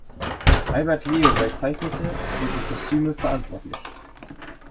Albert Leo Bei zeichnete für die Kostüme verantwortlich.